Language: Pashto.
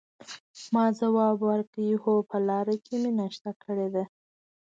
ما ځواب ورکړ: هو، په لاره کې مې ناشته کړې ده.